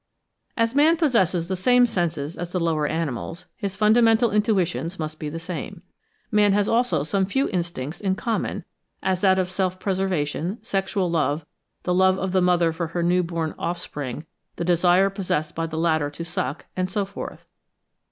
As man possesses the same senses as the lower animals, his fundamental intuitions must be the same. Man has also some few instincts in common, as that of self preservation, sexual love, the love of the mother for her new born offspring, the desire possessed by the latter to suck, and so forth.